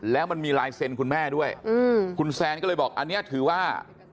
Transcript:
แล้วมันมีลายเซ็นต์คุณแม่ด้วยคุณแซนก็เลยบอกอันนี้ถือว่า